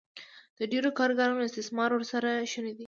د ډېرو کارګرانو استثمار ورسره شونی دی